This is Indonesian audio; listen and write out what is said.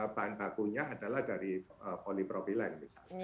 bahan bakunya adalah dari polipropilen misalnya